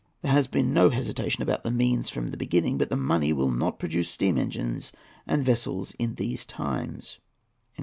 There has been no hesitation about the means from the beginning, but money will not produce steam engines and vessels in these times."